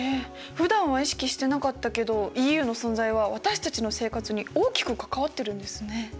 ふだんは意識してなかったけどＥＵの存在は私たちの生活に大きく関わってるんですね。